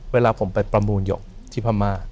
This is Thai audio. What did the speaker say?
เวลาผมไปประมูลหยกที่พม่า